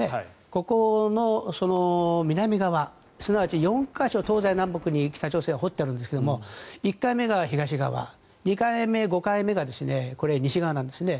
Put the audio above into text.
ここの南側すなわち４か所、東西南北に北朝鮮は掘ってあるんですが１回目が東側２回目、５回目が西側なんですね。